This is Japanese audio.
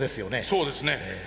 そうですね。